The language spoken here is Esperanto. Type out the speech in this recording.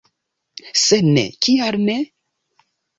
Se ne, kial ne?